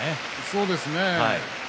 そうですね。